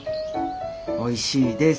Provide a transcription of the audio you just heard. おいしいです。